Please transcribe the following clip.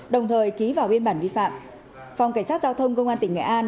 đồng thời ký vào biên bản vi phạm phòng cảnh sát giao thông công an tỉnh nghệ an